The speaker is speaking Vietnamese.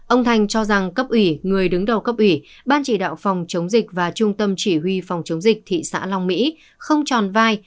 ông thành cho rằng cấp ủy người đứng đầu cấp ủy ban chỉ đạo phòng chống dịch và trung tâm chỉ huy phòng chống dịch thị xã long mỹ không tròn vai